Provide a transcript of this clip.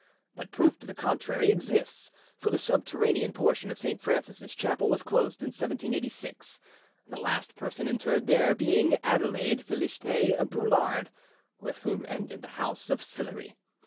But proof to the contrary exists; for the subterranean portion of St. Francis's chapel was closed in 1786, the last person interred there being Adelaide Felicite Brulard, with whom ended the house of Sillery.